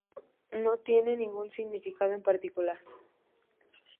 El guion no tiene ningún significado en particular.